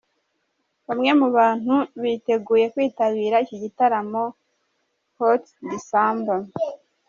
Bamwe mu bantu biteguye kwitabira iki gitaramo Hot December.